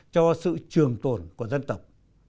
cho sự trường tồn của dân tộc